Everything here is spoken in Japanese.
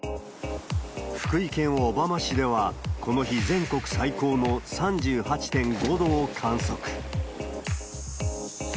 福井県小浜市では、この日、全国最高の３８．５度を観測。